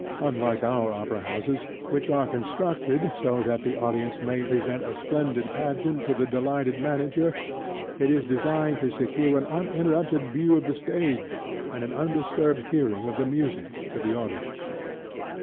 Unlike our opera houses, which are constructed so that the audience may present a splendid pageant to the delighted manager, it is designed to secure an uninterrupted view of the stage, and an undisturbed hearing of the music, to the audience.